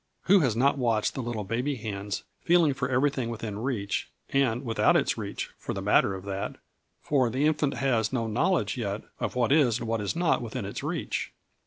Who has not watched the little baby hands feeling for everything within reach, and without its reach, for the matter of that; for the infant has no knowledge yet of what is and what is not within its reach.